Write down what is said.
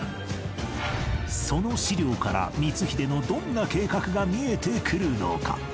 その史料から光秀のどんな計画が見えてくるのか？